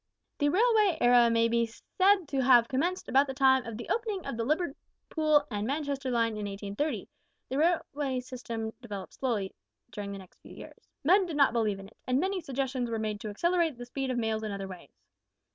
"The Railway Era may be said to have commenced about the time of the opening of the Liverpool and Manchester line in 1830, though the railway system developed slowly during the first few years. Men did not believe in it, and many suggestions were made to accelerate the speed of mails in other ways.